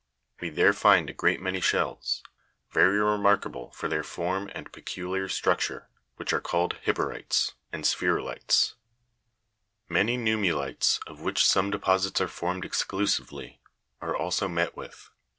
We there find a great many shells, very remarkable for their form and peculiar structure, which are called hippuri'tes (figs. 120, 121), ^wggrT^ and spheruli'tes (fie;. 122). Many nummuli'tes (fig. 123), of which some deposits are formed exclusively, are also met with.